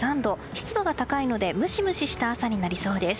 湿度が高いのでムシムシした朝になりそうです。